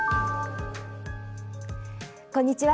こんにちは。